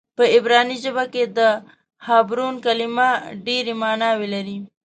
په عبراني ژبه کې د حبرون کلمه ډېرې معناوې لري.